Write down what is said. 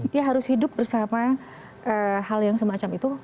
dia harus hidup bersama hal yang semacam itu